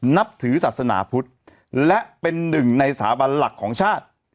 นับถือศาสนาพุทธและเป็นหนึ่งในสถาบันหลักของชาติ